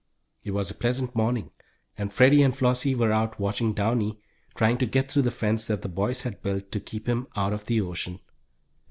It was a pleasant morning, and Freddie and Flossie were out watching Downy trying to get through the fence that the boys had built to keep him out of the ocean.